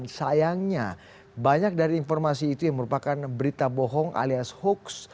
dan sayangnya banyak dari informasi itu yang merupakan berita bohong alias hoax